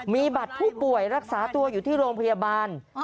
มีบัตรผู้ป่วยรักษาตัวอยู่ที่โรงพยาบาล